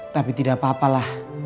tapi tidak apa apalah